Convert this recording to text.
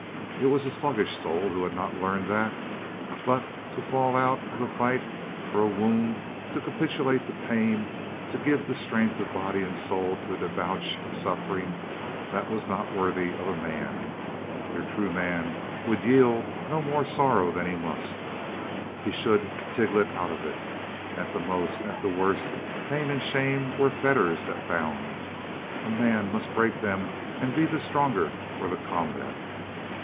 It was a sluggish soul who had not learned that But to fall out of the fight for a wound; to capitulate to pain ; to g^ve the strength of body and soul to a debauch of suffering ; that was not worthy of a man. Your true man would yield no more to sorrow than he must. He should tiglit out of it. At the most, at the worst, pain and shame were fetters that bound. A man must break them and be the stronger for the combat.